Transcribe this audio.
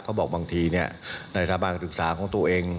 บอกบางทีในสถาบันการศึกษาของตัวเอง